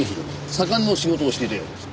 左官の仕事をしていたようです。